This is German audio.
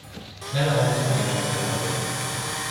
Schnelle Autos verlieren schneller an Wert.